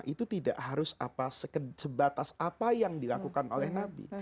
itu tidak harus sebatas apa yang dilakukan oleh nabi